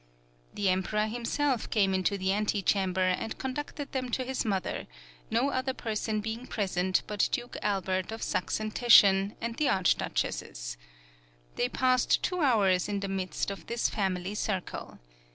The Emperor himself came into the ante chamber, and conducted them to his mother, no other person being present but Duke Albert of Sachsen Teschen, and the Archduchesses. They passed two hours in the midst of this family circle.